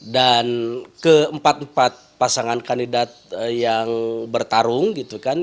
dan keempat empat pasangan kandidat yang bertarung gitu kan